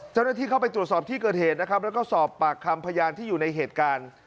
เจ้าหน้าที่เข้าไปตรวจสอบที่เกิดเหตุนะครับแล้วก็สอบปากคำพยานที่อยู่ในเหตุการณ์